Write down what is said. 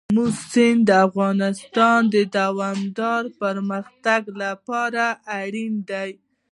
آمو سیند د افغانستان د دوامداره پرمختګ لپاره اړین دی.